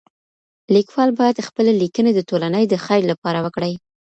ليکوال بايد خپلي ليکنې د ټولني د خير لپاره وکړي.